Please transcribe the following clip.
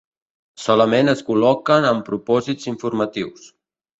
Solament es col·loquen amb propòsits informatius.